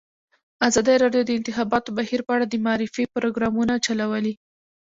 ازادي راډیو د د انتخاباتو بهیر په اړه د معارفې پروګرامونه چلولي.